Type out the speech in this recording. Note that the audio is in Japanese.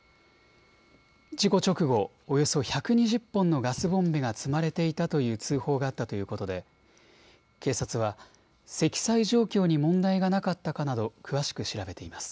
事故直後、およそ１２０本のガスボンベが積まれていたという通報があったということで警察は積載状況に問題がなかったかなど詳しく調べています。